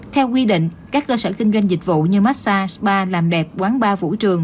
theo quy định các cơ sở kinh doanh dịch vụ như massag spa làm đẹp quán bar vũ trường